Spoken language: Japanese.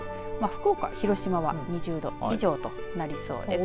福岡、広島は２０度以上となりそうです。